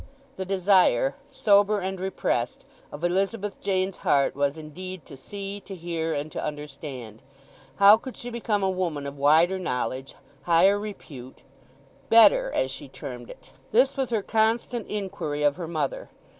The desire—sober and repressed—of Elizabeth Jane's heart was indeed to see, to hear, and to understand. How could she become a woman of wider knowledge, higher repute—"better," as she termed it—this was her constant inquiry of her mother.